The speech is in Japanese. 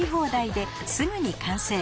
ですぐに完成